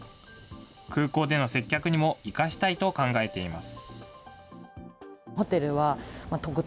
空港での接客にも生かしたいと考えています。